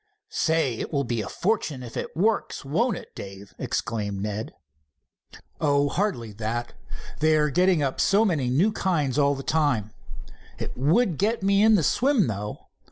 "Say, it will be a fortune if it works, won't it, Dave?" exclaimed Ned. "Oh, hardly that. They are getting up so many new kinds all of the time. It would get me into the swim, though.